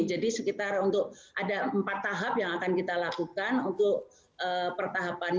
jadi sekitar untuk ada empat tahap yang akan kita lakukan pada tahun ini